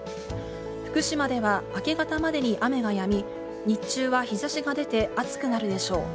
福島では明け方までに雨はやみ、日中は日ざしが出て、暑くなるでしょう。